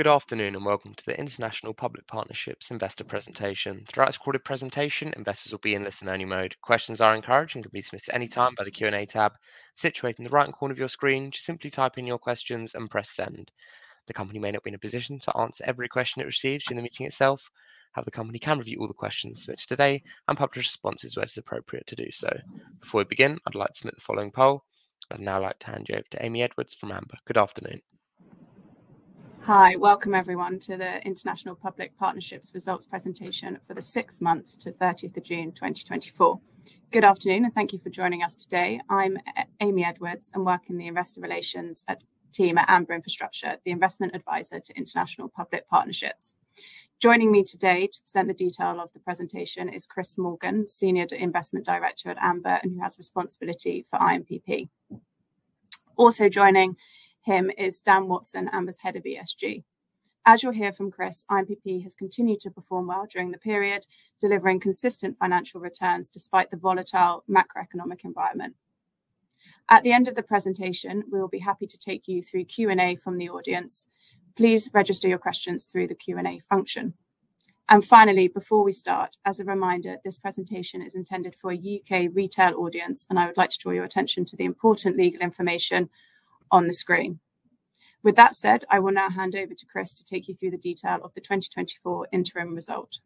Good afternoon, and welcome to the International Public Partnerships Investor Presentation. Throughout this recorded presentation, investors will be in listen-only mode. Questions are encouraged and can be submitted at any time by the Q&A tab situated in the right-hand corner of your screen. Just simply type in your questions and press Send. The company may not be in a position to answer every question it receives during the meeting itself. However, the company can review all the questions submitted today and publish responses where it is appropriate to do so. Before we begin, I'd like to submit the following poll. I'd now like to hand you over to Amy Edwards from Amber. Good afternoon. Hi. Welcome, everyone, to the International Public Partnerships results presentation for the six months to thirtieth of June, twenty twenty-four. Good afternoon, and thank you for joining us today. I'm Amy Edwards and work in the investor relations team at Amber Infrastructure, the investment advisor to International Public Partnerships. Joining me today to present the detail of the presentation is Chris Morgan, senior investment director at Amber, and who has responsibility for INPP. Also joining him is Dan Watson, Amber's head of ESG. As you'll hear from Chris, INPP has continued to perform well during the period, delivering consistent financial returns despite the volatile macroeconomic environment. At the end of the presentation, we will be happy to take you through Q&A from the audience. Please register your questions through the Q&A function. Finally, before we start, as a reminder, this presentation is intended for a U.K. retail audience, and I would like to draw your attention to the important legal information on the screen. With that said, I will now hand over to Chris to take you through the detail of the twenty twenty-four interim result.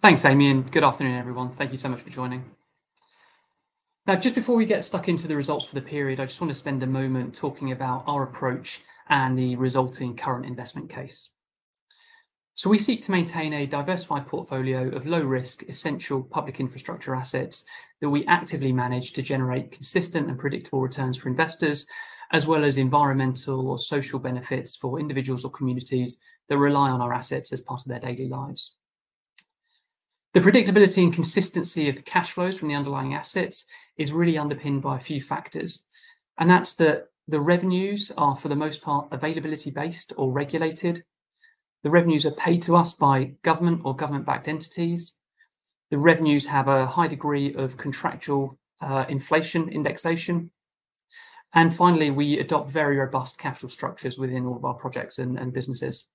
Thanks, Amy, and good afternoon, everyone. Thank you so much for joining. Now, just before we get stuck into the results for the period, I just want to spend a moment talking about our approach and the resulting current investment case, so we seek to maintain a diversified portfolio of low-risk, essential public infrastructure assets that we actively manage to generate consistent and predictable returns for investors, as well as environmental or social benefits for individuals or communities that rely on our assets as part of their daily lives. The predictability and consistency of the cash flows from the underlying assets is really underpinned by a few factors, and that's that the revenues are, for the most part, availability-based or regulated. The revenues are paid to us by government or government-backed entities. The revenues have a high degree of contractual inflation indexation. Finally, we adopt very robust capital structures within all of our projects and businesses.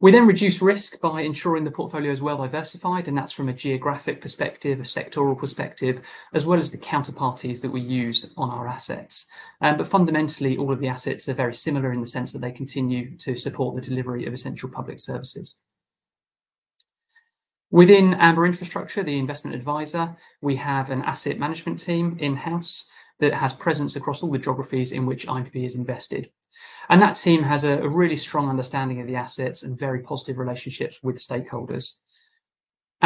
We then reduce risk by ensuring the portfolio is well diversified, and that's from a geographic perspective, a sectoral perspective, as well as the counterparties that we use on our assets. Fundamentally, all of the assets are very similar in the sense that they continue to support the delivery of essential public services. Within Amber Infrastructure, the investment advisor, we have an asset management team in-house that has presence across all the geographies in which INPP is invested. That team has a really strong understanding of the assets and very positive relationships with stakeholders.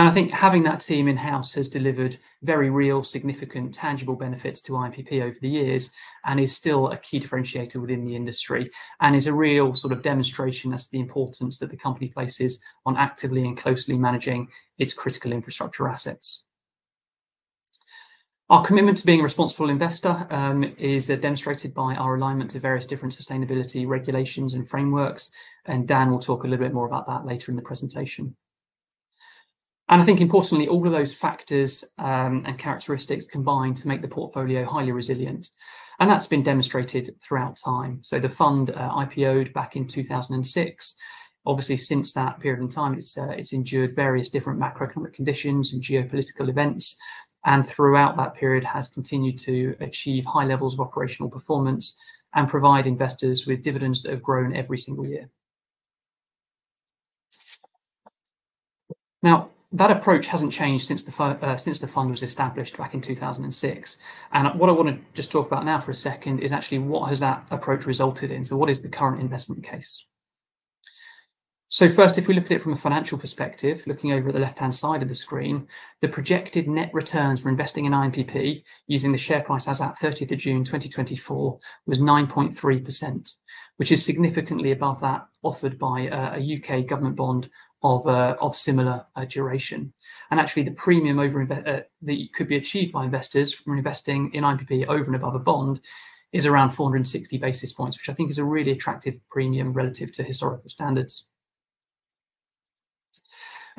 I think having that team in-house has delivered very real, significant, tangible benefits to INPP over the years and is still a key differentiator within the industry and is a real sort of demonstration as to the importance that the company places on actively and closely managing its critical infrastructure assets. Our commitment to being a responsible investor is demonstrated by our alignment to various different sustainability regulations and frameworks, and Dan will talk a little bit more about that later in the presentation. I think importantly, all of those factors and characteristics combine to make the portfolio highly resilient, and that's been demonstrated throughout time. The fund IPO'd back in 2006. Obviously, since that period in time, it's endured various different macroeconomic conditions and geopolitical events, and throughout that period has continued to achieve high levels of operational performance and provide investors with dividends that have grown every single year. Now, that approach hasn't changed since the fund was established back in 2006. And what I want to just talk about now for a second is actually what has that approach resulted in? So what is the current investment case? So first, if we look at it from a financial perspective, looking over at the left-hand side of the screen, the projected net returns for investing in INPP, using the share price as at 30th of June 2024, was 9.3%, which is significantly above that offered by a UK government bond of similar duration. Actually, the premium over investment that could be achieved by investors from investing in INPP over and above a bond is around four hundred and sixty basis points, which I think is a really attractive premium relative to historical standards.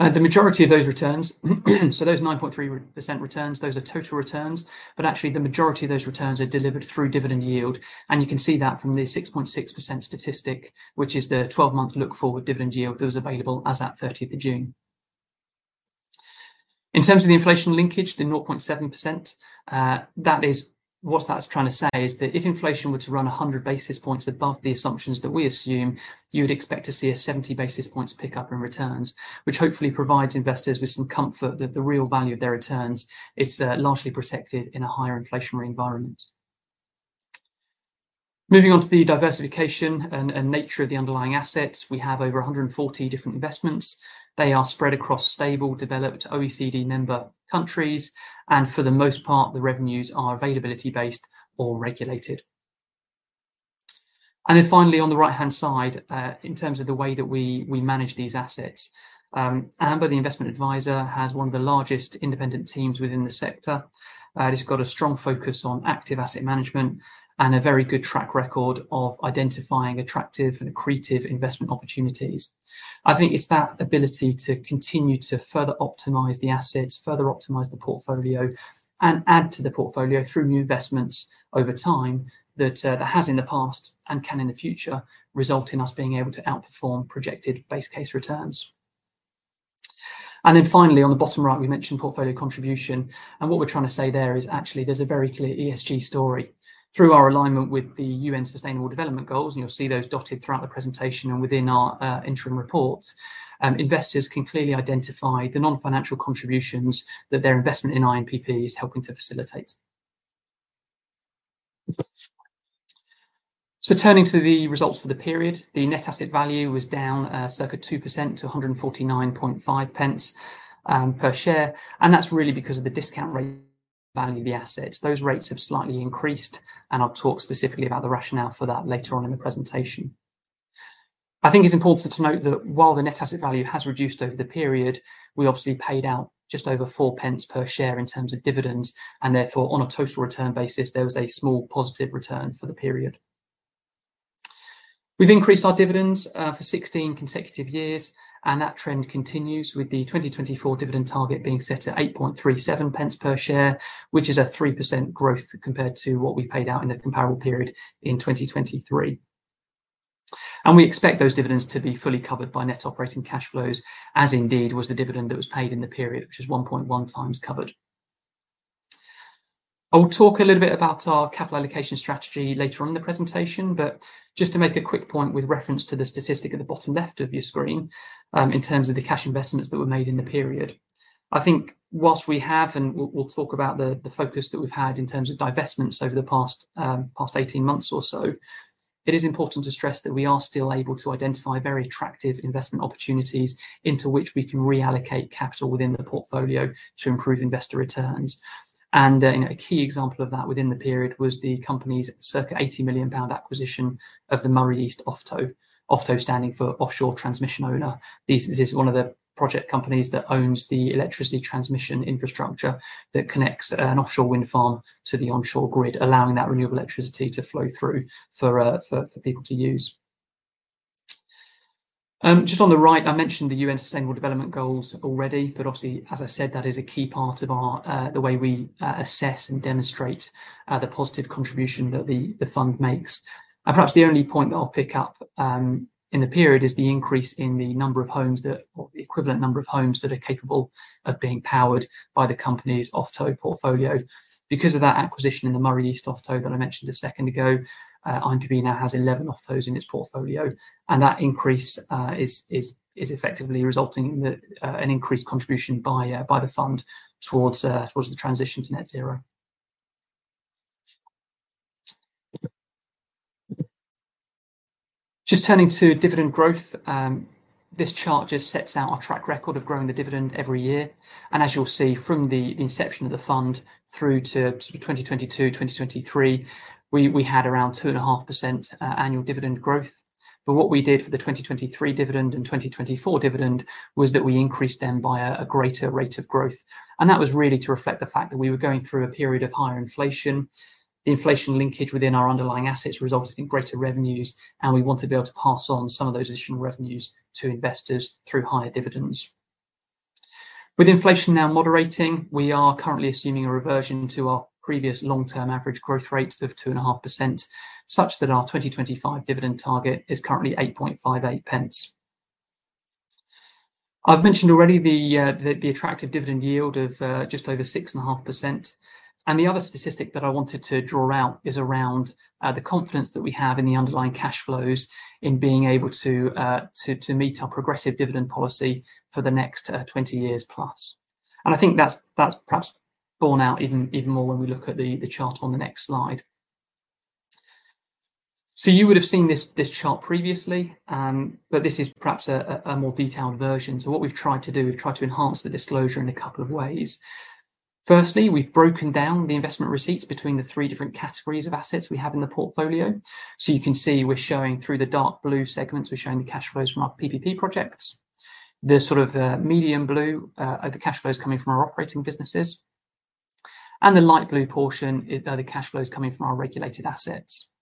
The majority of those returns, so those 9.3% returns, those are total returns, but actually the majority of those returns are delivered through dividend yield, and you can see that from the 6.6% statistic, which is the twelve-month look-forward dividend yield that was available as at thirtieth of June. In terms of the inflation linkage, the 0.7%, that is... What that is trying to say is that if inflation were to run a hundred basis points above the assumptions that we assume, you would expect to see a seventy basis points pick-up in returns, which hopefully provides investors with some comfort that the real value of their returns is largely protected in a higher inflationary environment. Moving on to the diversification and nature of the underlying assets, we have over a hundred and forty different investments. They are spread across stable, developed OECD member countries, and for the most part, the revenues are availability-based or regulated. And then finally, on the right-hand side, in terms of the way that we manage these assets, Amber, the investment advisor, has one of the largest independent teams within the sector. It's got a strong focus on active asset management and a very good track record of identifying attractive and accretive investment opportunities. I think it's that ability to continue to further optimize the assets, further optimize the portfolio, and add to the portfolio through new investments over time, that has in the past and can in the future result in us being able to outperform projected base case returns, and then finally, on the bottom right, we mentioned portfolio contribution, and what we're trying to say there is actually there's a very clear ESG story. Through our alignment with the UN Sustainable Development Goals, and you'll see those dotted throughout the presentation and within our interim report, investors can clearly identify the non-financial contributions that their investment in INPP is helping to facilitate. So turning to the results for the period, the net asset value was down, circa 2% to 149.5 pence per share, and that's really because of the discount rate value of the assets. Those rates have slightly increased, and I'll talk specifically about the rationale for that later on in the presentation. I think it's important to note that while the net asset value has reduced over the period, we obviously paid out just over 4 pence per share in terms of dividends, and therefore, on a total return basis, there was a small positive return for the period. We've increased our dividends for sixteen consecutive years, and that trend continues with the twenty twenty-four dividend target being set at 8.37 pence per share, which is a 3% growth compared to what we paid out in the comparable period in twenty twenty-three. We expect those dividends to be fully covered by net operating cash flows, as indeed was the dividend that was paid in the period, which is 1.1 times covered. I will talk a little bit about our capital allocation strategy later on in the presentation, but just to make a quick point with reference to the statistic at the bottom left of your screen, in terms of the cash investments that were made in the period. I think whilst we have, and we'll, we'll talk about the, the focus that we've had in terms of divestments over the past 18 months or so, it is important to stress that we are still able to identify very attractive investment opportunities into which we can reallocate capital within the portfolio to improve investor returns. And, a key example of that within the period was the company's circa 80 million pound acquisition of the Moray East OFTO. OFTO standing for Offshore Transmission Owner. This is one of the project companies that owns the electricity transmission infrastructure that connects an offshore wind farm to the onshore grid, allowing that renewable electricity to flow through for people to use. Just on the right, I mentioned the UN Sustainable Development Goals already, but obviously, as I said, that is a key part of the way we assess and demonstrate the positive contribution that the fund makes, and perhaps the only point that I'll pick up in the period is the increase in the number of homes or the equivalent number of homes that are capable of being powered by the company's OFTO portfolio. Because of that acquisition in the Moray East OFTO that I mentioned a second ago, INPP now has 11 OFTOs in its portfolio, and that increase is effectively resulting in an increased contribution by the fund towards the transition to net zero. Just turning to dividend growth, this chart just sets out our track record of growing the dividend every year. And as you'll see from the inception of the fund through to 2022, 2023, we had around 2.5% annual dividend growth. But what we did for the 2023 dividend and 2024 dividend was that we increased them by a greater rate of growth, and that was really to reflect the fact that we were going through a period of higher inflation. The inflation linkage within our underlying assets resulted in greater revenues, and we wanted to be able to pass on some of those additional revenues to investors through higher dividends. With inflation now moderating, we are currently assuming a reversion to our previous long-term average growth rates of 2.5%, such that our 2025 dividend target is currently 0.0858. I've mentioned already the attractive dividend yield of just over 6.5%, and the other statistic that I wanted to draw out is around the confidence that we have in the underlying cash flows in being able to meet our progressive dividend policy for the next 20 years plus, and I think that's perhaps borne out even more when we look at the chart on the next slide, so you would have seen this chart previously, but this is perhaps a more detailed version. So what we've tried to do, we've tried to enhance the disclosure in a couple of ways. Firstly, we've broken down the investment receipts between the three different categories of assets we have in the portfolio. So you can see we're showing through the dark blue segments, we're showing the cash flows from our PPP projects. The sort of medium blue are the cash flows coming from our operating businesses, and the light blue portion are the cash flows coming from our regulated assets.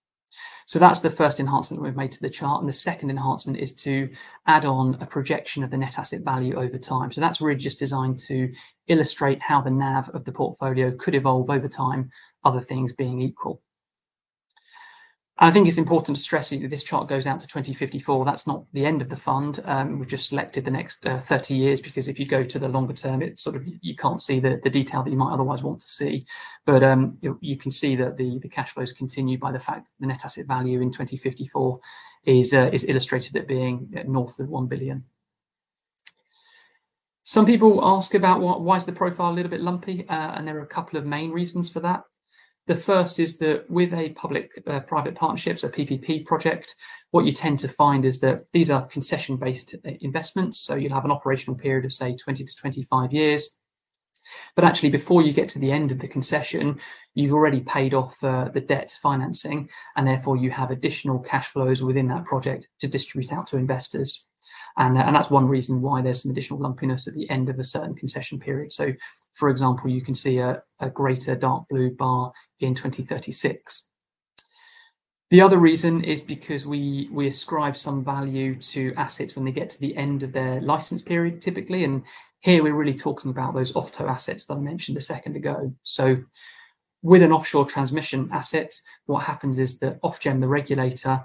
So that's the first enhancement we've made to the chart, and the second enhancement is to add on a projection of the net asset value over time. So that's really just designed to illustrate how the NAV of the portfolio could evolve over time, other things being equal. And I think it's important to stress here that this chart goes out to twenty fifty-four. That's not the end of the fund. We've just selected the next thirty years, because if you go to the longer term, it sort of you can't see the detail that you might otherwise want to see. But you can see that the cash flows continue by the fact that the Net Asset Value in twenty fifty-four is illustrated at being north of one billion. Some people ask about why the profile is a little bit lumpy, and there are a couple of main reasons for that. The first is that with public-private partnerships, a PPP project, what you tend to find is that these are concession-based investments, so you'll have an operational period of, say, twenty to twenty-five years. But actually, before you get to the end of the concession, you've already paid off the debt financing, and therefore, you have additional cash flows within that project to distribute out to investors. And that's one reason why there's some additional lumpiness at the end of a certain concession period. For example, you can see a greater dark blue bar in twenty thirty-six. The other reason is because we ascribe some value to assets when they get to the end of their license period, typically, and here we're really talking about those OFTO assets that I mentioned a second ago. With an offshore transmission asset, what happens is that Ofgem, the regulator,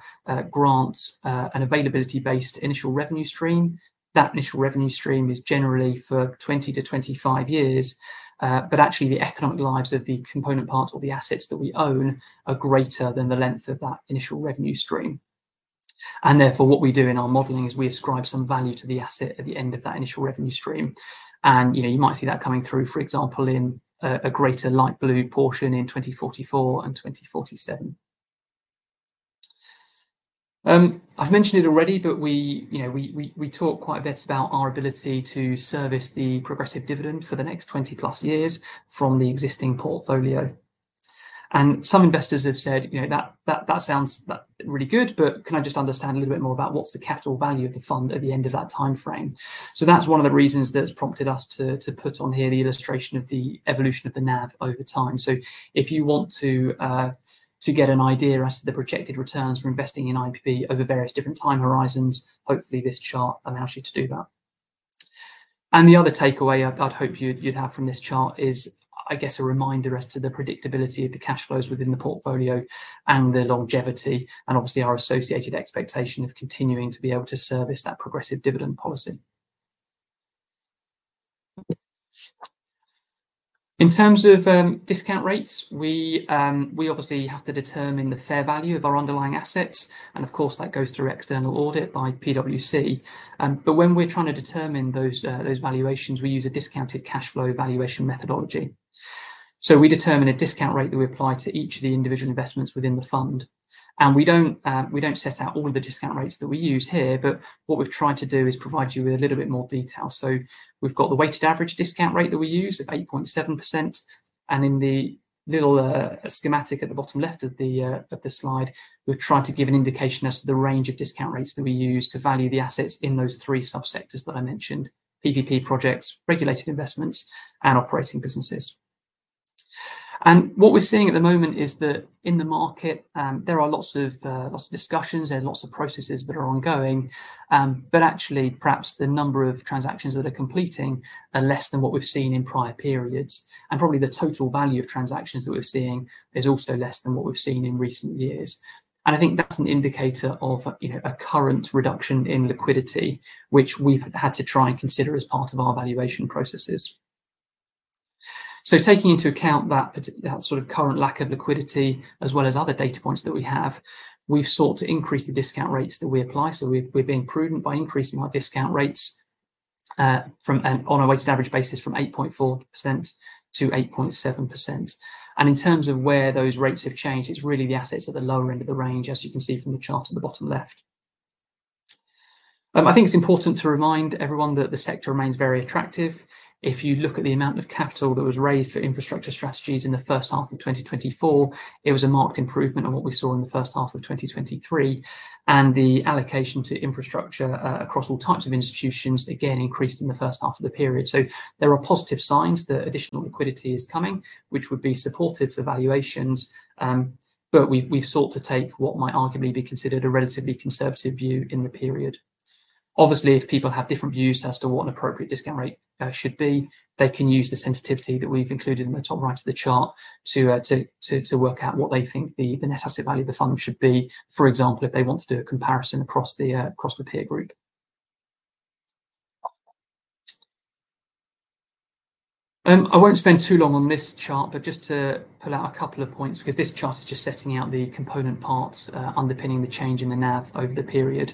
grants an availability-based initial revenue stream. That initial revenue stream is generally for twenty to twenty-five years, but actually the economic lives of the component parts or the assets that we own are greater than the length of that initial revenue stream. And therefore, what we do in our modeling is we ascribe some value to the asset at the end of that initial revenue stream. And, you know, you might see that coming through, for example, in a greater light blue portion in twenty forty-four and twenty forty-seven. I've mentioned it already, but we, you know, talk quite a bit about our ability to service the progressive dividend for the next twenty-plus years from the existing portfolio. And some investors have said, you know, "That sounds really good, but can I just understand a little bit more about what's the capital value of the fund at the end of that time frame?" So that's one of the reasons that's prompted us to put on here the illustration of the evolution of the NAV over time. So if you want to get an idea as to the projected returns for investing in IPP over various different time horizons, hopefully, this chart allows you to do that. And the other takeaway I'd hope you'd have from this chart is, I guess, a reminder as to the predictability of the cash flows within the portfolio and the longevity, and obviously our associated expectation of continuing to be able to service that progressive dividend policy. In terms of discount rates, we obviously have to determine the fair value of our underlying assets, and of course, that goes through external audit by PwC. But when we're trying to determine those valuations, we use a discounted cash flow valuation methodology. So we determine a discount rate that we apply to each of the individual investments within the fund. And we don't set out all of the discount rates that we use here, but what we've tried to do is provide you with a little bit more detail. So we've got the weighted average discount rate that we use of 8.7%, and in the little schematic at the bottom left of the slide, we've tried to give an indication as to the range of discount rates that we use to value the assets in those three subsectors that I mentioned: PPP projects, regulated investments, and operating businesses. And what we're seeing at the moment is that in the market, there are lots of discussions and lots of processes that are ongoing. But actually, perhaps the number of transactions that are completing are less than what we've seen in prior periods, and probably the total value of transactions that we're seeing is also less than what we've seen in recent years. I think that's an indicator of, you know, a current reduction in liquidity, which we've had to try and consider as part of our valuation processes. Taking into account that part, that sort of current lack of liquidity, as well as other data points that we have, we've sought to increase the discount rates that we apply. We're being prudent by increasing our discount rates, from, on a weighted average basis, 8.4% to 8.7%. In terms of where those rates have changed, it's really the assets at the lower end of the range, as you can see from the chart at the bottom left. I think it's important to remind everyone that the sector remains very attractive. If you look at the amount of capital that was raised for infrastructure strategies in the first half of twenty twenty-four, it was a marked improvement on what we saw in the first half of twenty twenty-three. And the allocation to infrastructure across all types of institutions, again, increased in the first half of the period. So there are positive signs that additional liquidity is coming, which would be supportive for valuations. But we've sought to take what might arguably be considered a relatively conservative view in the period. Obviously, if people have different views as to what an appropriate discount rate should be, they can use the sensitivity that we've included in the top right of the chart to work out what they think the net asset value of the fund should be. For example, if they want to do a comparison across the peer group. I won't spend too long on this chart, but just to pull out a couple of points, because this chart is just setting out the component parts underpinning the change in the NAV over the period.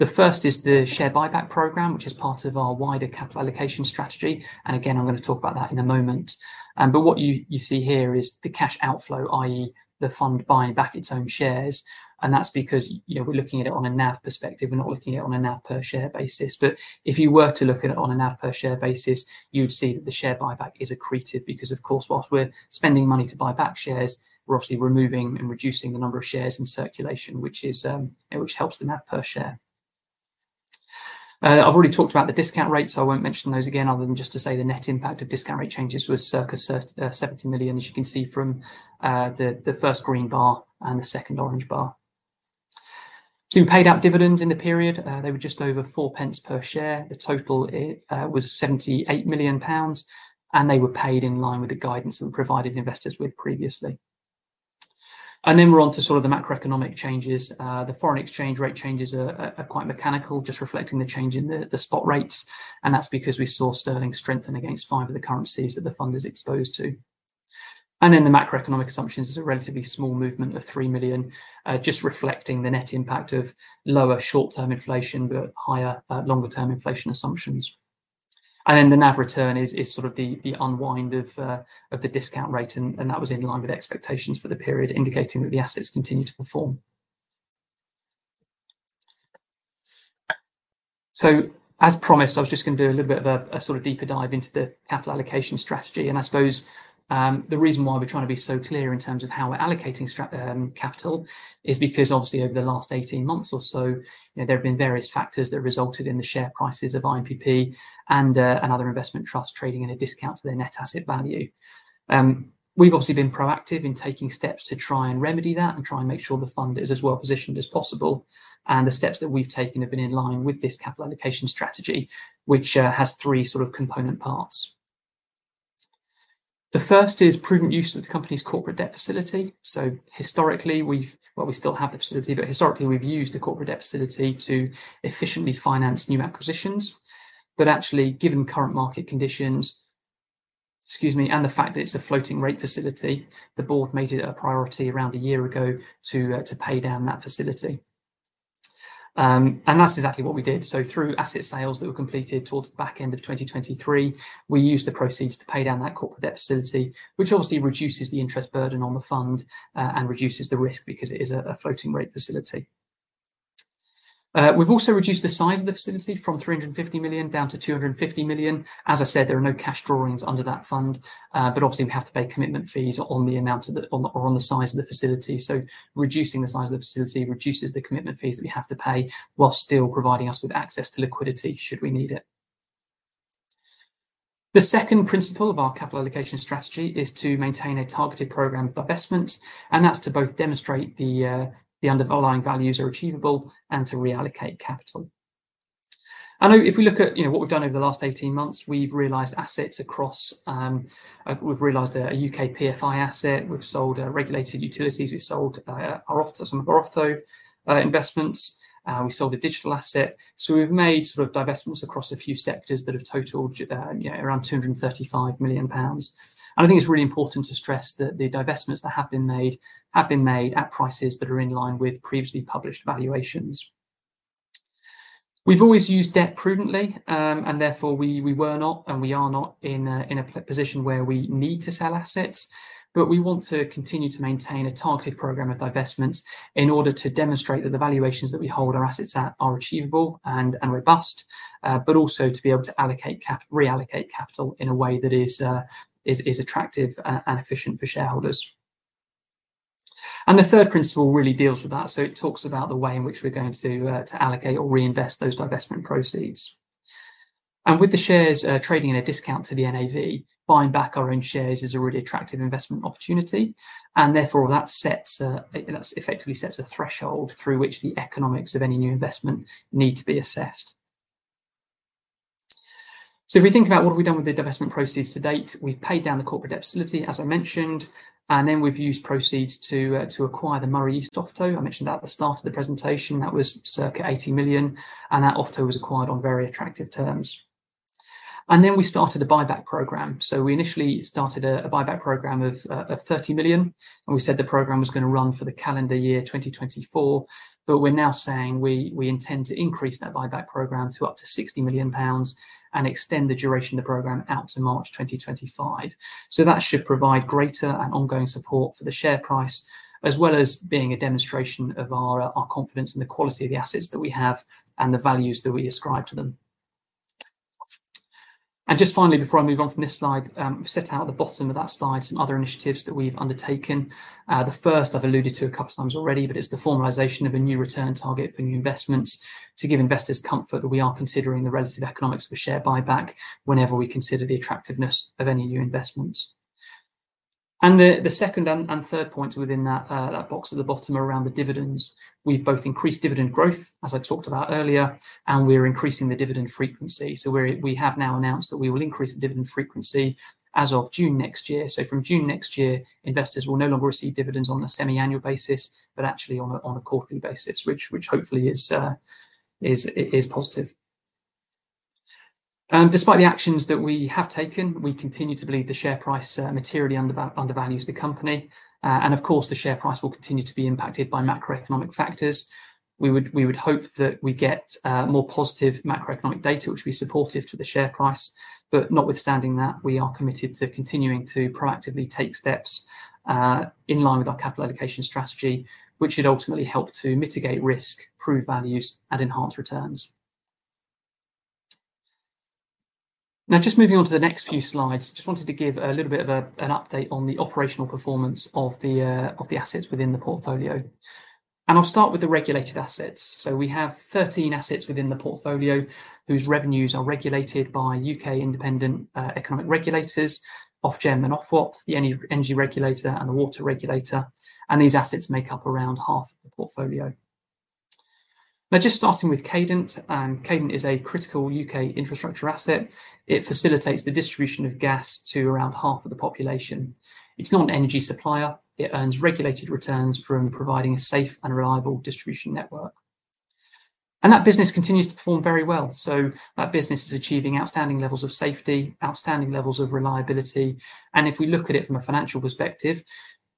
The first is the share buyback program, which is part of our wider capital allocation strategy, and again, I'm gonna talk about that in a moment, but what you see here is the cash outflow, i.e., the fund buying back its own shares, and that's because, you know, we're looking at it on a NAV perspective. We're not looking at it on a NAV per share basis. But if you were to look at it on a NAV per share basis, you would see that the share buyback is accretive because, of course, whilst we're spending money to buy back shares, we're obviously removing and reducing the number of shares in circulation, which is, which helps the NAV per share. I've already talked about the discount rate, so I won't mention those again, other than just to say the net impact of discount rate changes was circa 70 million, as you can see from the first green bar and the second orange bar. So we paid out dividends in the period. They were just over 0.04 per share. The total was 78 million pounds, and they were paid in line with the guidance we provided investors with previously. And then we're on to sort of the macroeconomic changes. The foreign exchange rate changes are quite mechanical, just reflecting the change in the spot rates, and that's because we saw sterling strengthen against five of the currencies that the fund is exposed to. And then the macroeconomic assumptions is a relatively small movement of 3 million, just reflecting the net impact of lower short-term inflation, but higher longer-term inflation assumptions. And then the NAV return is sort of the unwind of the discount rate, and that was in line with expectations for the period, indicating that the assets continued to perform. So, as promised, I was just gonna do a little bit of a sort of deeper dive into the capital allocation strategy. And I suppose the reason why we're trying to be so clear in terms of how we're allocating stra... Capital is because obviously, over the last eighteen months or so, you know, there have been various factors that resulted in the share prices of INPP and another investment trust trading at a discount to their net asset value. We've obviously been proactive in taking steps to try and remedy that and try and make sure the fund is as well positioned as possible. The steps that we've taken have been in line with this capital allocation strategy, which has three sort of component parts. The first is prudent use of the company's corporate debt facility. So historically, well, we still have the facility, but historically, we've used the corporate debt facility to efficiently finance new acquisitions. But actually, given current market conditions, excuse me, and the fact that it is a floating rate facility, the board made it a priority around a year ago to pay down that facility. And that is exactly what we did. So through asset sales that were completed towards the back end of 2023, we used the proceeds to pay down that corporate debt facility, which obviously reduces the interest burden on the fund and reduces the risk because it is a floating rate facility. We have also reduced the size of the facility from 350 million down to 250 million. As I said, there are no cash drawings under that fund, but obviously, we have to pay commitment fees on the amount of the or on the size of the facility. So reducing the size of the facility reduces the commitment fees that we have to pay, while still providing us with access to liquidity should we need it. The second principle of our capital allocation strategy is to maintain a targeted program of divestments, and that's to both demonstrate the underlying values are achievable and to reallocate capital. And if we look at, you know, what we've done over the last eighteen months, we've realized assets across... We've realized a UK PFI asset, we've sold regulated utilities, we've sold our OFTO, some of our OFTO investments. We sold a digital asset. So we've made sort of divestments across a few sectors that have totaled, you know, around 235 million pounds. I think it's really important to stress that the divestments that have been made have been made at prices that are in line with previously published valuations. We've always used debt prudently, and therefore, we were not, and we are not in a position where we need to sell assets, but we want to continue to maintain a targeted program of divestments in order to demonstrate that the valuations that we hold our assets at are achievable and robust, but also to be able to reallocate capital in a way that is attractive and efficient for shareholders. The third principle really deals with that, so it talks about the way in which we're going to allocate or reinvest those divestment proceeds. With the shares trading at a discount to the NAV, buying back our own shares is a really attractive investment opportunity, and therefore, that sets that effectively sets a threshold through which the economics of any new investment need to be assessed. If we think about what we've done with the divestment proceeds to date, we've paid down the corporate debt facility, as I mentioned, and then we've used proceeds to to acquire the Moray East OFTO. I mentioned that at the start of the presentation. That was circa 80 million, and that OFTO was acquired on very attractive terms. We started a buyback program. So we initially started a buyback program of 30 million, and we said the program was gonna run for the calendar year 2024, but we're now saying we intend to increase that buyback program to up to 60 million pounds and extend the duration of the program out to March 2025. So that should provide greater and ongoing support for the share price, as well as being a demonstration of our confidence in the quality of the assets that we have and the values that we ascribe to them. And just finally, before I move on from this slide, we've set out at the bottom of that slide some other initiatives that we've undertaken. The first, I've alluded to a couple times already, but it's the formalization of a new return target for new investments to give investors comfort that we are considering the relative economics of a share buyback whenever we consider the attractiveness of any new investments. The second and third points within that box at the bottom are around the dividends. We've both increased dividend growth, as I talked about earlier, and we're increasing the dividend frequency. We have now announced that we will increase the dividend frequency as of June next year. From June next year, investors will no longer receive dividends on a semi-annual basis, but actually on a quarterly basis, which hopefully is positive. Despite the actions that we have taken, we continue to believe the share price materially undervalues the company, and of course, the share price will continue to be impacted by macroeconomic factors. We would hope that we get more positive macroeconomic data, which will be supportive to the share price. Notwithstanding that, we are committed to continuing to proactively take steps in line with our capital allocation strategy, which should ultimately help to mitigate risk, prove values, and enhance returns. Now, just moving on to the next few slides, just wanted to give a little bit of an update on the operational performance of the assets within the portfolio, and I'll start with the regulated assets. So we have 13 assets within the portfolio whose revenues are regulated by U.K. independent economic regulators, Ofgem and Ofwat, the energy regulator and the water regulator, and these assets make up around half of the portfolio. Now, just starting with Cadent, and Cadent is a critical U.K. infrastructure asset. It facilitates the distribution of gas to around half of the population. It is not an energy supplier. It earns regulated returns from providing a safe and reliable distribution network. And that business continues to perform very well. So that business is achieving outstanding levels of safety, outstanding levels of reliability. And if we look at it from a financial perspective,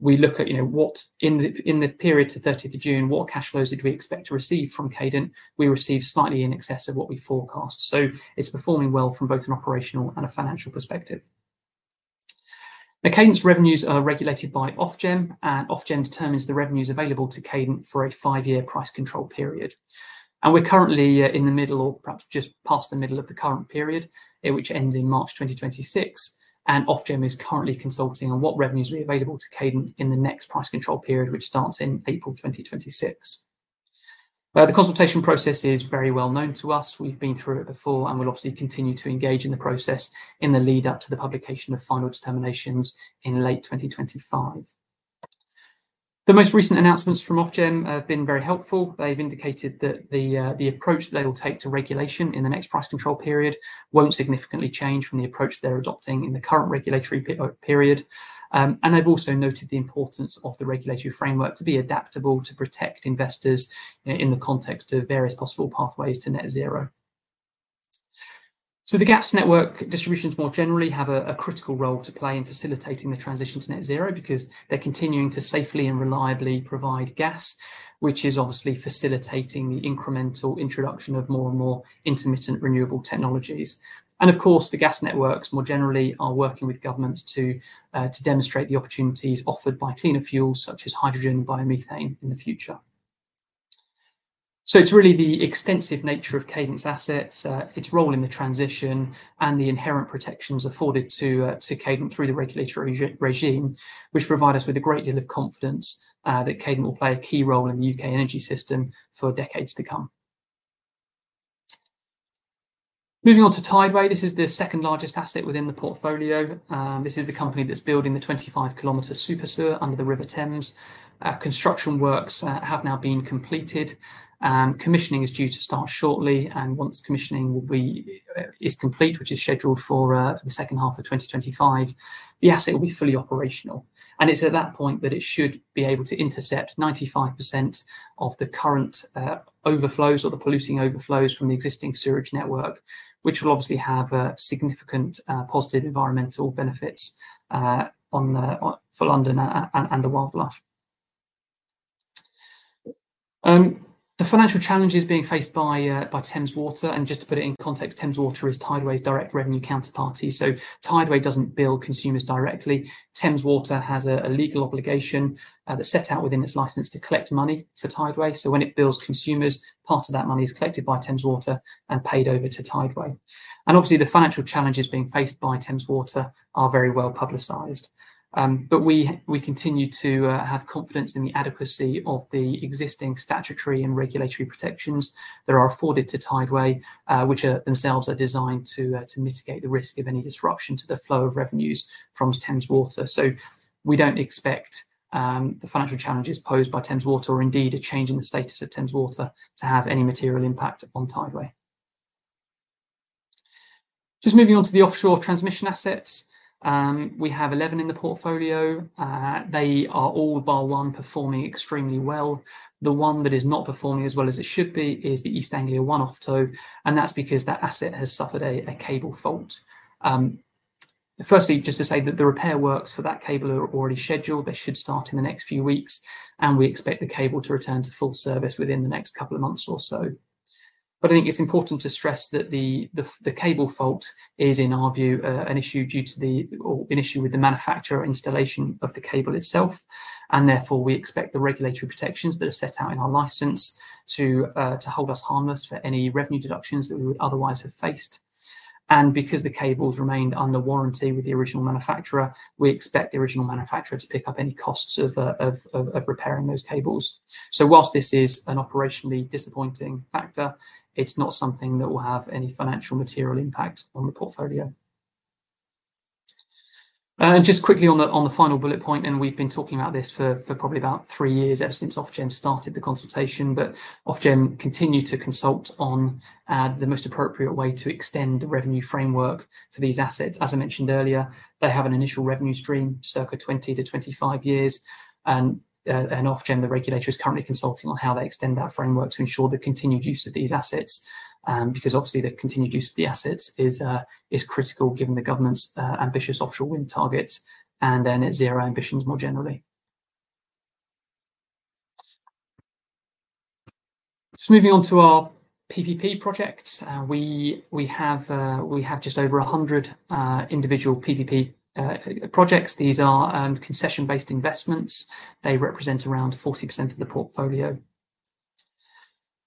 you know, in the period to the thirtieth of June, what cash flows did we expect to receive from Cadent? We received slightly in excess of what we forecast. So it's performing well from both an operational and a financial perspective. Now, Cadent's revenues are regulated by Ofgem, and Ofgem determines the revenues available to Cadent for a five-year price control period. And we're currently in the middle or perhaps just past the middle of the current period, which ends in March 2026, and Ofgem is currently consulting on what revenues will be available to Cadent in the next price control period, which starts in April 2026. The consultation process is very well known to us. We've been through it before, and we'll obviously continue to engage in the process in the lead up to the publication of final determinations in late 2025. The most recent announcements from Ofgem have been very helpful. They've indicated that the approach they will take to regulation in the next price control period won't significantly change from the approach they're adopting in the current regulatory period. And they've also noted the importance of the regulatory framework to be adaptable, to protect investors in the context of various possible pathways to net zero. So the gas network distributions, more generally, have a critical role to play in facilitating the transition to net zero because they're continuing to safely and reliably provide gas, which is obviously facilitating the incremental introduction of more and more intermittent renewable technologies. And, of course, the gas networks, more generally, are working with governments to demonstrate the opportunities offered by cleaner fuels, such as hydrogen and biomethane, in the future. So it's really the extensive nature of Cadent's assets, its role in the transition, and the inherent protections afforded to Cadent through the regulatory regime, which provide us with a great deal of confidence that Cadent will play a key role in the U.K. energy system for decades to come. Moving on to Tideway. This is the second-largest asset within the portfolio. This is the company that's building the 25-kilometer super sewer under the River Thames. Construction works have now been completed, and commissioning is due to start shortly. And once commissioning is complete, which is scheduled for the second half of 2025, the asset will be fully operational. It's at that point that it should be able to intercept 95% of the current overflows or the polluting overflows from the existing sewerage network, which will obviously have significant positive environmental benefits for London and the wildlife. The financial challenges being faced by Thames Water, and just to put it in context, Thames Water is Tideway's direct revenue counterparty. So Tideway doesn't bill consumers directly. Thames Water has a legal obligation that's set out within its license to collect money for Tideway. So when it bills consumers, part of that money is collected by Thames Water and paid over to Tideway. And obviously, the financial challenges being faced by Thames Water are very well-publicized. But we continue to have confidence in the adequacy of the existing statutory and regulatory protections that are afforded to Tideway, which are themselves designed to mitigate the risk of any disruption to the flow of revenues from Thames Water. So we don't expect the financial challenges posed by Thames Water or indeed a change in the status of Thames Water to have any material impact on Tideway. Just moving on to the offshore transmission assets. We have 11 in the portfolio. They are all, bar one, performing extremely well. The one that is not performing as well as it should be is the East Anglia One OFTO, and that's because that asset has suffered a cable fault. Firstly, just to say that the repair works for that cable are already scheduled. They should start in the next few weeks, and we expect the cable to return to full service within the next couple of months or so. But I think it's important to stress that the cable fault is, in our view, an issue due to the or an issue with the manufacturer or installation of the cable itself, and therefore, we expect the regulatory protections that are set out in our license to hold us harmless for any revenue deductions that we would otherwise have faced. And because the cable's remained under warranty with the original manufacturer, we expect the original manufacturer to pick up any costs of repairing those cables. So whilst this is an operationally disappointing factor, it's not something that will have any financial material impact on the portfolio. Just quickly on the final bullet point, and we've been talking about this for probably about three years, ever since Ofgem started the consultation. But Ofgem continue to consult on the most appropriate way to extend the revenue framework for these assets. As I mentioned earlier, they have an initial revenue stream, circa 20-25 years. And Ofgem, the regulator, is currently consulting on how they extend that framework to ensure the continued use of these assets, because obviously, the continued use of the assets is critical given the government's ambitious offshore wind targets and net zero ambitions more generally. Moving on to our PPP projects. We have just over 100 individual PPP projects. These are concession-based investments. They represent around 40% of the portfolio,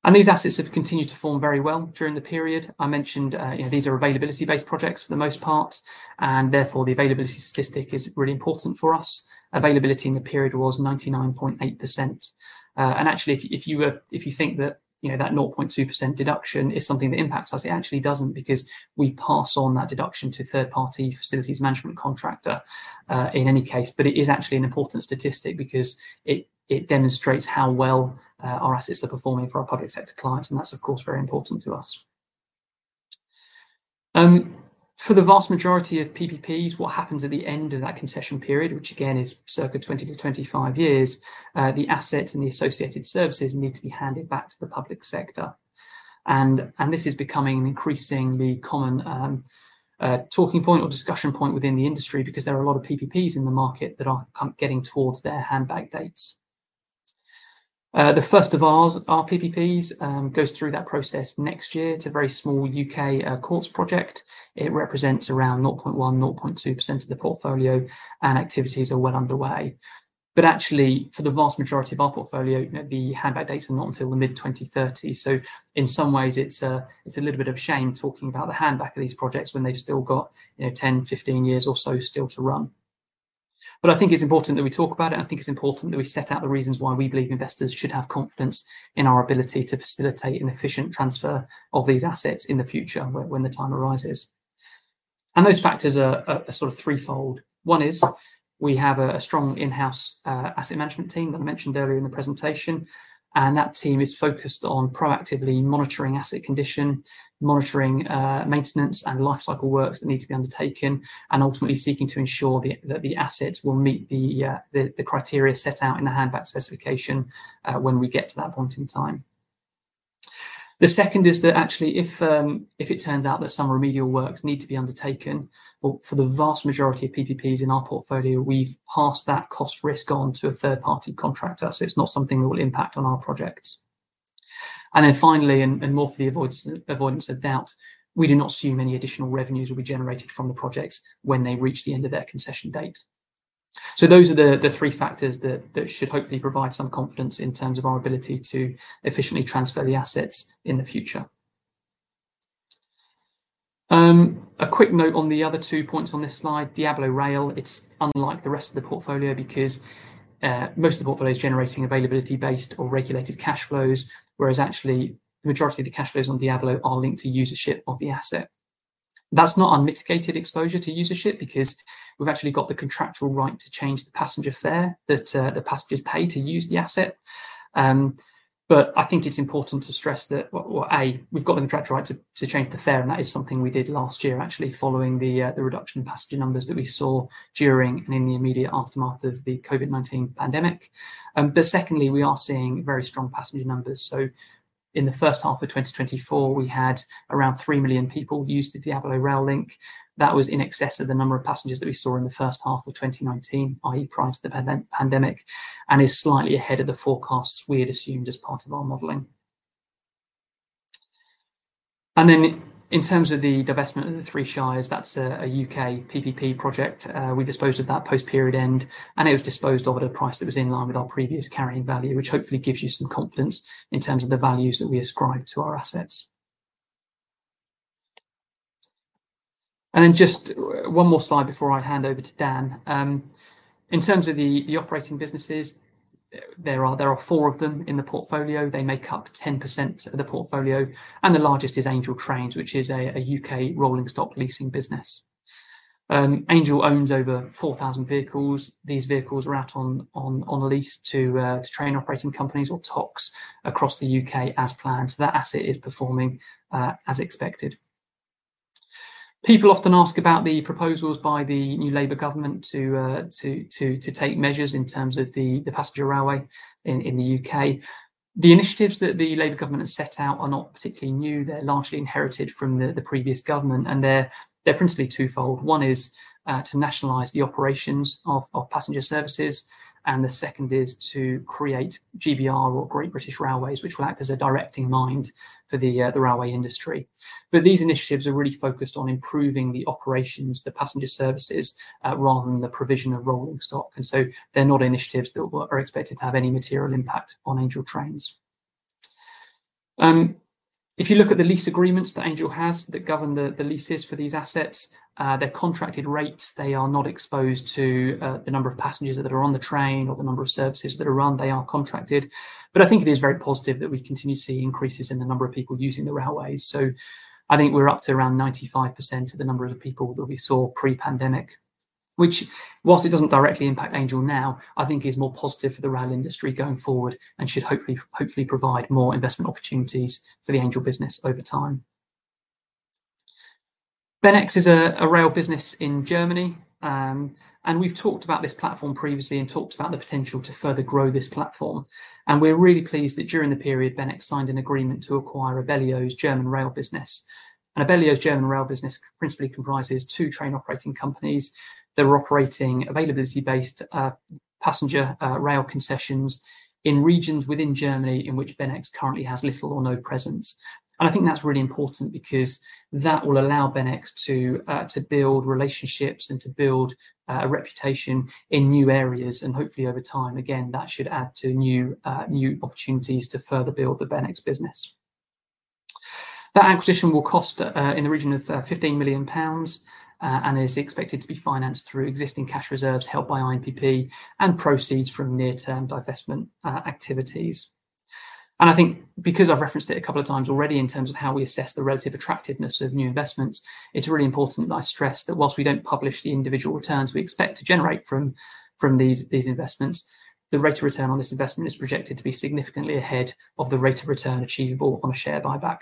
and these assets have continued to form very well during the period. I mentioned, you know, these are availability-based projects for the most part, and therefore, the availability statistic is really important for us. Availability in the period was 99.8%. And actually, if you think that, you know, that nought point 2% deduction is something that impacts us, it actually doesn't, because we pass on that deduction to third-party facilities management contractor, in any case. But it is actually an important statistic because it demonstrates how well our assets are performing for our public sector clients, and that's, of course, very important to us. For the vast majority of PPPs, what happens at the end of that concession period, which again, is circa 20 to 25 years, the assets and the associated services need to be handed back to the public sector. This is becoming an increasingly common talking point or discussion point within the industry because there are a lot of PPPs in the market that are come getting towards their handback dates. The first of our PPPs goes through that process next year. It's a very small U.K. courts project. It represents around 0.1%-0.2% of the portfolio, and activities are well underway. Actually, for the vast majority of our portfolio, the handback dates are not until the mid-2030s. So in some ways, it's, it's a little bit of a shame talking about the handback of these projects when they've still got, you know, 10, 15 years or so still to run. But I think it's important that we talk about it, and I think it's important that we set out the reasons why we believe investors should have confidence in our ability to facilitate an efficient transfer of these assets in the future when the time arises. And those factors are sort of threefold. One is we have a strong in-house asset management team that I mentioned earlier in the presentation, and that team is focused on proactively monitoring asset condition, monitoring maintenance, and lifecycle works that need to be undertaken, and ultimately seeking to ensure that the assets will meet the criteria set out in the handback specification when we get to that point in time. The second is that actually, if it turns out that some remedial works need to be undertaken, well, for the vast majority of PPPs in our portfolio, we've passed that cost risk on to a third-party contractor, so it's not something that will impact on our projects. And then finally, and more for the avoidance of doubt, we do not assume any additional revenues will be generated from the projects when they reach the end of their concession date. So those are the three factors that should hopefully provide some confidence in terms of our ability to efficiently transfer the assets in the future. A quick note on the other two points on this slide. Diabolo Rail, it is unlike the rest of the portfolio because most of the portfolio is generating availability-based or regulated cash flows, whereas actually the majority of the cash flows on Diabolo are linked to usage of the asset. That is not unmitigated exposure to usage, because we have actually got the contractual right to change the passenger fare that the passengers pay to use the asset. But I think it's important to stress that, well, A, we've got the contractual right to change the fare, and that is something we did last year, actually, following the reduction in passenger numbers that we saw during and in the immediate aftermath of the COVID-19 pandemic. But secondly, we are seeing very strong passenger numbers. So in the first half of 2024, we had around three million people use the Diabolo Rail link. That was in excess of the number of passengers that we saw in the first half of 2019, i.e., prior to the pandemic, and is slightly ahead of the forecasts we had assumed as part of our modeling. And then in terms of the divestment in the Three Shires, that's a UK PPP project. We disposed of that post-period end, and it was disposed of at a price that was in line with our previous carrying value, which hopefully gives you some confidence in terms of the values that we ascribe to our assets. Then just one more slide before I hand over to Dan. In terms of the operating businesses, there are four of them in the portfolio. They make up 10% of the portfolio, and the largest is Angel Trains, which is a U.K. rolling stock leasing business. Angel owns over 4,000 vehicles. These vehicles are out on lease to train operating companies or TOCs across the U.K. as planned, so that asset is performing as expected. People often ask about the proposals by the new Labor government to take measures in terms of the passenger railway in the UK. The initiatives that the Labor government has set out are not particularly new. They're largely inherited from the previous government, and they're principally twofold. One is to nationalize the operations of passenger services, and the second is to create GBR or Great British Railways, which will act as a directing mind for the railway industry. But these initiatives are really focused on improving the operations, the passenger services rather than the provision of rolling stock, and so they're not initiatives that are expected to have any material impact on Angel Trains. If you look at the lease agreements that Angel has that govern the leases for these assets, they're contracted rates. They are not exposed to the number of passengers that are on the train or the number of services that are run. They are contracted. But I think it is very positive that we continue to see increases in the number of people using the railways. So I think we're up to around 95% of the number of people that we saw pre-pandemic, which, whilst it doesn't directly impact Angel now, I think is more positive for the rail industry going forward and should hopefully provide more investment opportunities for the Angel business over time. BeNEX is a rail business in Germany, and we've talked about this platform previously and talked about the potential to further grow this platform. We're really pleased that during the period, BeNEX signed an agreement to acquire Abellio's German rail business. Abellio's German rail business principally comprises two train operating companies. They're operating availability-based passenger rail concessions in regions within Germany, in which BeNEX currently has little or no presence. I think that's really important because that will allow BeNEX to build relationships and to build a reputation in new areas. Hopefully, over time, again, that should add to new opportunities to further build the BeNEX business. That acquisition will cost in the region of 15 million pounds and is expected to be financed through existing cash reserves, helped by INPP and proceeds from near-term divestment activities. And I think because I've referenced it a couple of times already in terms of how we assess the relative attractiveness of new investments, it's really important that I stress that while we don't publish the individual returns we expect to generate from these investments, the rate of return on this investment is projected to be significantly ahead of the rate of return achievable on a share buyback.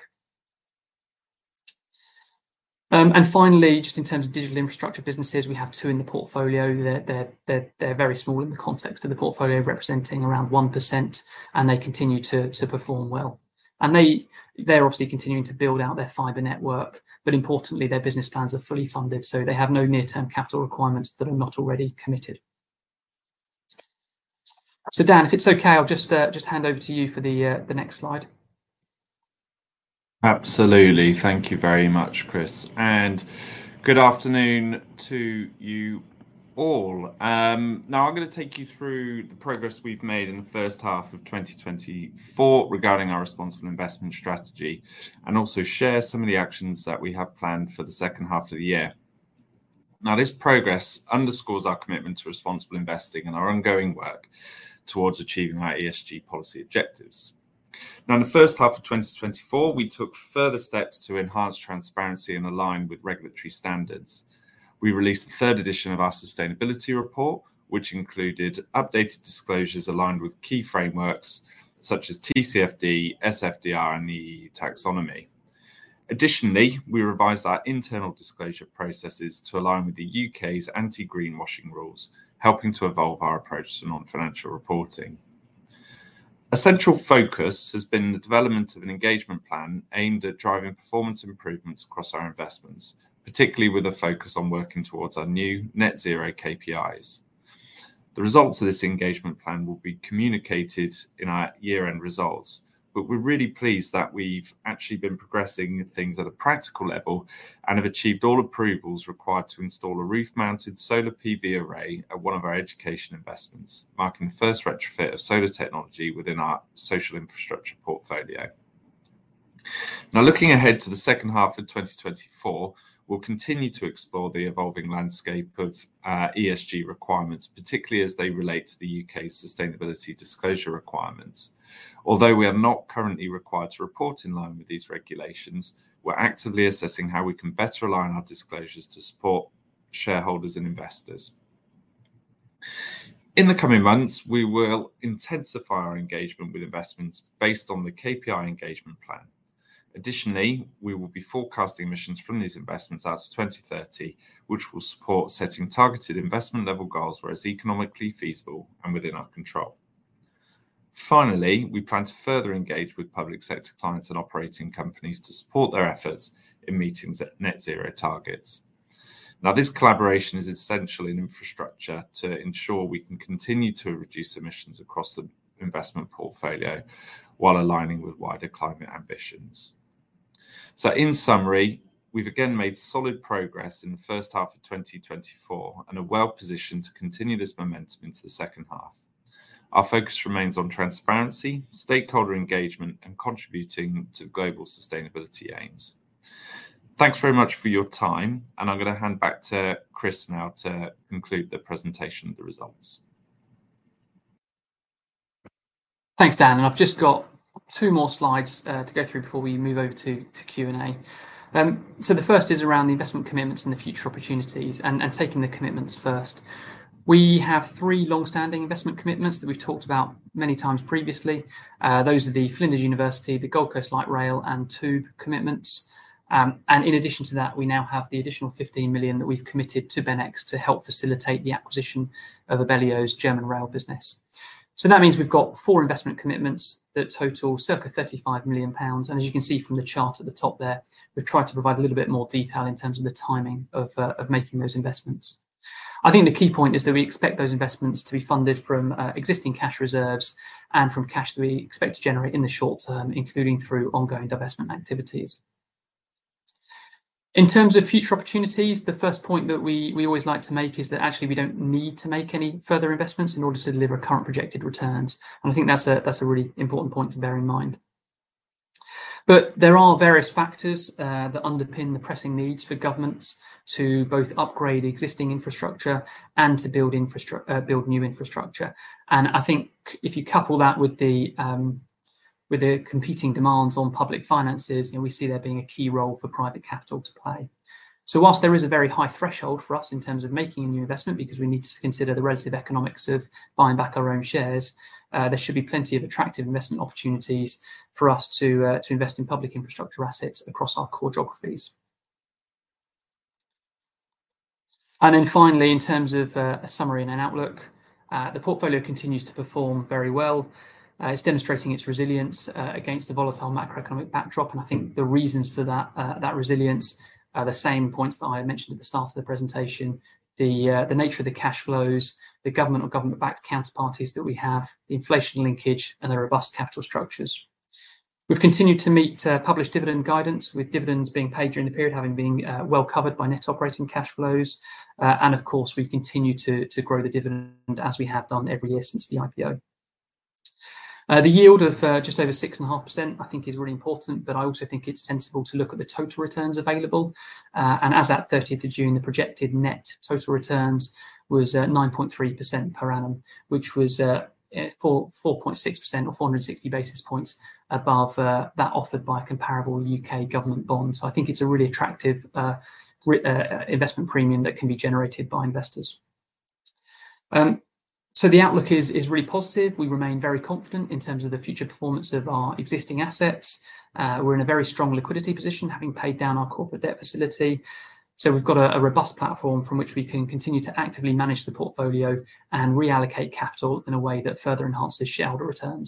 And finally, just in terms of digital infrastructure businesses, we have two in the portfolio. They're very small in the context of the portfolio, representing around 1%, and they continue to perform well. And they're obviously continuing to build out their fiber network, but importantly, their business plans are fully funded, so they have no near-term capital requirements that are not already committed. Dan, if it's okay, I'll just hand over to you for the next slide. Absolutely. Thank you very much, Chris, and good afternoon to you all. Now, I'm gonna take you through the progress we've made in the first half of twenty twenty-four regarding our responsible investment strategy and also share some of the actions that we have planned for the second half of the year.... Now, this progress underscores our commitment to responsible investing and our ongoing work towards achieving our ESG policy objectives. Now, in the first half of twenty twenty-four, we took further steps to enhance transparency and align with regulatory standards. We released the third edition of our sustainability report, which included updated disclosures aligned with key frameworks such as TCFD, SFDR, and the taxonomy. Additionally, we revised our internal disclosure processes to align with the U.K.'s anti-greenwashing rules, helping to evolve our approach to non-financial reporting. Essential focus has been the development of an engagement plan aimed at driving performance improvements across our investments, particularly with a focus on working towards our new net zero KPIs. The results of this engagement plan will be communicated in our year-end results, but we're really pleased that we've actually been progressing things at a practical level and have achieved all approvals required to install a roof-mounted solar PV array at one of our education investments, marking the first retrofit of solar technology within our social infrastructure portfolio. Now, looking ahead to the second half of twenty twenty-four, we'll continue to explore the evolving landscape of ESG requirements, particularly as they relate to the U.K.'s Sustainability Disclosure Requirements. Although we are not currently required to report in line with these regulations, we're actively assessing how we can better align our disclosures to support shareholders and investors. In the coming months, we will intensify our engagement with investments based on the KPI engagement plan. Additionally, we will be forecasting emissions from these investments out to 2030, which will support setting targeted investment level goals, whereas economically feasible and within our control. Finally, we plan to further engage with public sector clients and operating companies to support their efforts in meeting the net zero targets. Now, this collaboration is essential in infrastructure to ensure we can continue to reduce emissions across the investment portfolio while aligning with wider climate ambitions. So in summary, we've again made solid progress in the first half of 2024 and are well positioned to continue this momentum into the second half. Our focus remains on transparency, stakeholder engagement, and contributing to global sustainability aims. Thanks very much for your time, and I'm gonna hand back to Chris now to conclude the presentation of the results. Thanks, Dan. I've just got two more slides to go through before we move over to Q&A. So the first is around the investment commitments and the future opportunities, and taking the commitments first. We have three long-standing investment commitments that we've talked about many times previously. Those are the Flinders University, the Gold Coast Light Rail, and tube commitments. And in addition to that, we now have the additional 15 million that we've committed to BeNEX to help facilitate the acquisition of Abellio's German rail business. So that means we've got four investment commitments that total circa 35 million pounds, and as you can see from the chart at the top there, we've tried to provide a little bit more detail in terms of the timing of making those investments. I think the key point is that we expect those investments to be funded from existing cash reserves and from cash that we expect to generate in the short term, including through ongoing divestment activities. In terms of future opportunities, the first point that we always like to make is that actually we don't need to make any further investments in order to deliver current projected returns, and I think that's a really important point to bear in mind. But there are various factors that underpin the pressing needs for governments to both upgrade existing infrastructure and to build new infrastructure. I think if you couple that with the competing demands on public finances, then we see there being a key role for private capital to play. So while there is a very high threshold for us in terms of making a new investment, because we need to consider the relative economics of buying back our own shares, there should be plenty of attractive investment opportunities for us to invest in public infrastructure assets across our core geographies, and then finally, in terms of a summary and an outlook, the portfolio continues to perform very well. It's demonstrating its resilience against a volatile macroeconomic backdrop, and I think the reasons for that resilience are the same points that I mentioned at the start of the presentation: the nature of the cash flows, the government or government-backed counterparties that we have, the inflation linkage, and the robust capital structures. We've continued to meet published dividend guidance, with dividends being paid during the period having been well covered by net operating cash flows, and of course, we've continued to grow the dividend as we have done every year since the IPO. The yield of just over 6.5%, I think, is really important, but I also think it's sensible to look at the total returns available, and as at thirtieth of June, the projected net total returns was 9.3% per annum, which was 4.6% or 460 basis points above that offered by comparable U.K. government bonds, so I think it's a really attractive investment premium that can be generated by investors, so the outlook is really positive. We remain very confident in terms of the future performance of our existing assets. We're in a very strong liquidity position, having paid down our corporate debt facility. So we've got a robust platform from which we can continue to actively manage the portfolio and reallocate capital in a way that further enhances shareholder returns.